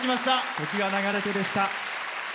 「時は流れて・・・」でした。